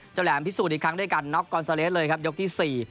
แหลมพิสูจน์อีกครั้งด้วยกันน็อกกอนซาเลสเลยครับยกที่๔